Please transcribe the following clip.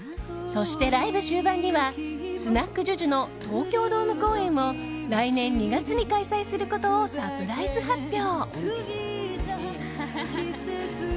そして、ライブ終盤にはスナックＪＵＪＵの東京ドーム公演を、来年２月に開催することをサプライズ発表。